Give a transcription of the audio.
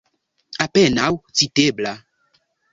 Apenaŭ citebla.